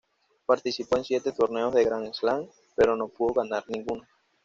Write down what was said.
Participó en siete torneos de Grand Slam, pero no pudo ganar ninguno.